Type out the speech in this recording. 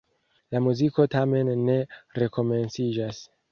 La muziko tamen ne rekomenciĝas.